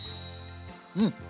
うん！